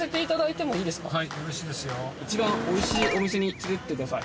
一番おいしいお店に連れてってください。